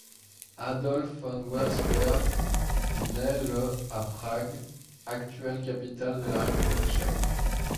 Adolphe von Auersperg naît le à Prague, actuelle capitale de la République tchèque.